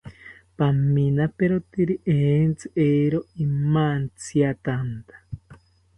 Paminaperoteri entzi, eero imantziatanta